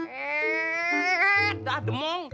eh dah demeng